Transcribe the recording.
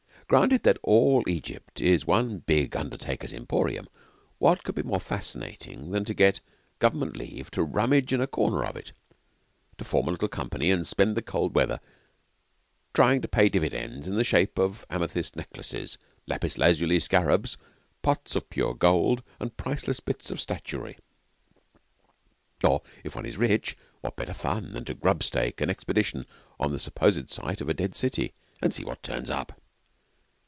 Granted that all Egypt is one big undertaker's emporium, what could be more fascinating than to get Government leave to rummage in a corner of it, to form a little company and spend the cold weather trying to pay dividends in the shape of amethyst necklaces, lapis lazuli scarabs, pots of pure gold, and priceless bits of statuary? Or, if one is rich, what better fun than to grub stake an expedition on the supposed site of a dead city and see what turns up?